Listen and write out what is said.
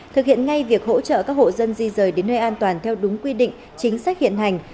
thực hiện ngay việc hỗ trợ các hộ dân di rời đến nơi an toàn theo đúng quy định chính sách hiện hành